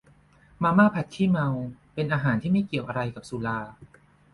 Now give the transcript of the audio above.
มาม่าผัดขี้เมา เป็นอาหารที่ไม่เกี่ยวอะไรกับสุรา